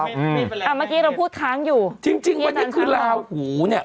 เมื่อกี้เราพูดค้างอยู่จริงจริงวันนี้คือลาหูเนี้ย